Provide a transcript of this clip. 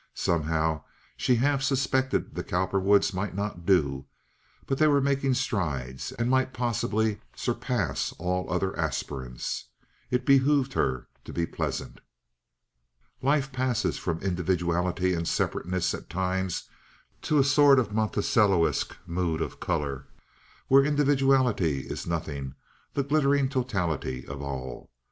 Somehow she half suspected the Cowperwoods might not do, but they were making strides, and might possibly surpass all other aspirants. It behooved her to be pleasant. Life passes from individuality and separateness at times to a sort of Monticelliesque mood of color, where individuality is nothing, the glittering totality all.